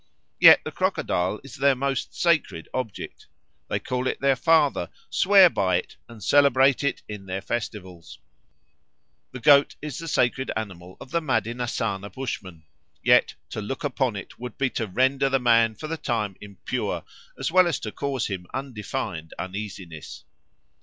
Yet the crocodile is their most sacred object; they call it their father, swear by it, and celebrate it in their festivals. The goat is the sacred animal of the Madenassana Bushmen; yet "to look upon it would be to render the man for the time impure, as well as to cause him undefined uneasiness."